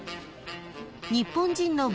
［日本人の分